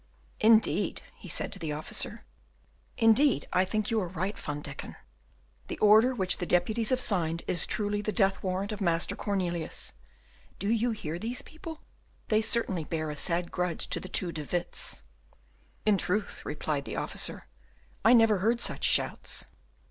"Indeed," said he to the officer, "indeed, I think you were right, Van Deken; the order which the deputies have signed is truly the death warrant of Master Cornelius. Do you hear these people? They certainly bear a sad grudge to the two De Witts." "In truth," replied the officer, "I never heard such shouts."